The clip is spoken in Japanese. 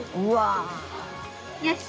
よし！